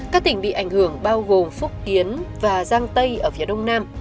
các tỉnh bị ảnh hưởng bao gồm phúc kiến và giang tây ở phía đông nam